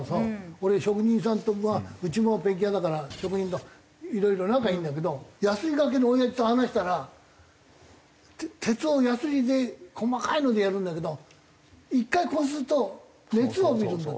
俺職人さんとまあうちもペンキ屋だから職人といろいろ仲いいんだけどやすりがけのおやじと話したら鉄をやすりで細かいのでやるんだけど１回こすると熱を帯びるんだって。